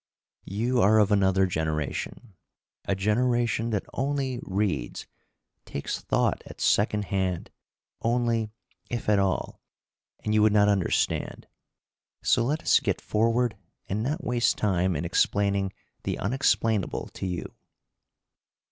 You are of another generation, a generation that only reads, takes thought at second hand only, if at all, and you would not understand; so let us get forward and not waste time in explaining the unexplainable to you.